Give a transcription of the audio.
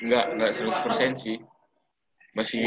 enggak enggak seratus sih masih